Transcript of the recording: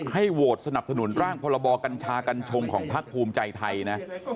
ให้โหวตสนับสนุนร่างพรบกัญชากัญชงของพักภูมิใจไทยนะ